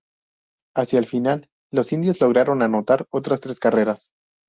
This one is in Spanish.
Hacia el final, los Indios lograron anotar otras tres carreras.